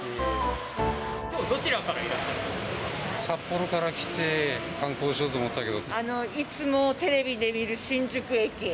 きょうはどちらからいらっし札幌から来て観光しようと思いつもテレビで見る新宿駅。